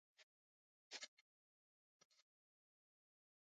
غول د کلسیم کمښت څرګندوي.